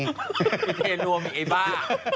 มีเต็นรวมเองไอ้บ้า